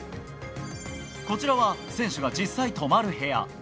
こちらは、選手が実際泊まる部屋。